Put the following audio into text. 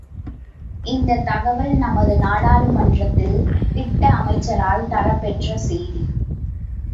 இந்தத் தகவல் நமது நாடாளுமன்றத்தில் திட்ட அமைச்சரால் தரப்பெற்ற செய்தி.